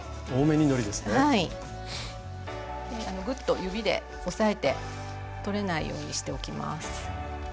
ぐっと指で押さえて取れないようにしておきます。